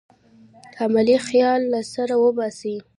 حملې خیال له سره وباسي.